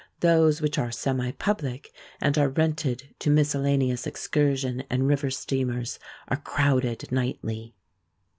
Those which are semi public and are rented to miscellaneous excursion and river steamers are crowded nightly.